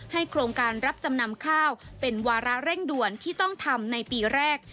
โครงการรับจำนำข้าวเป็นวาระเร่งด่วนที่ต้องทำในปีแรก